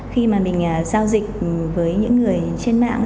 khi mà mình giao dịch với những người trên mạng